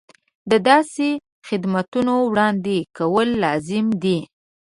د داسې خدمتونو وړاندې کول لازمي دي.